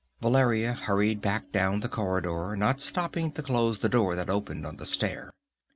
Valeria hurried back down the corridor, not stopping to close the door that opened on the stair.